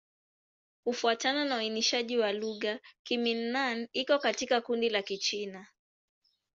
Kufuatana na uainishaji wa lugha, Kimin-Nan iko katika kundi la Kichina.